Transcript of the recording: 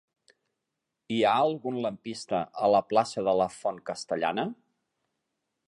Hi ha algun lampista a la plaça de la Font Castellana?